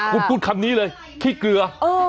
คุณพูดคำนี้เลยขี้เกลือ